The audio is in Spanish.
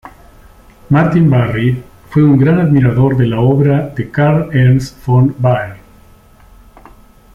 Martin Barry fue un gran admirador de la obra de Karl Ernst von Baer.